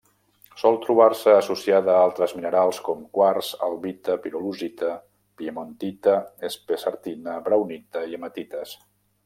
Sol trobar-se associada a altres minerals com: quars, albita, pirolusita, piemontita, spessartina, braunita i hematites.